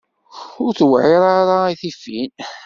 Ur tewɛiṛ ara i tifin.